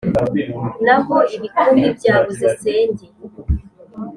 naho ibikumi byabuze senge,